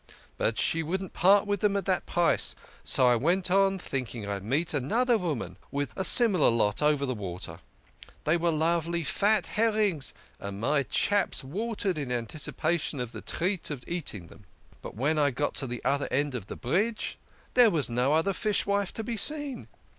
But she wouldn't part with them at that price, so I went on, think ing I'd meet another woman with a similar lot over the water. They were lovely fat herrings, and my chaps watered in anticipation of the treat of eating them. But when I got to the other end of the bridge there was no other fishwife to be seen.